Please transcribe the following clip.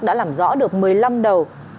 đã làm rõ được một mươi năm đầu